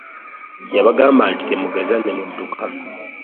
Yabagamba nti temugeza ne mu dduka.